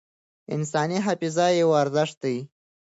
انساني حافظه یو ارزښت دی.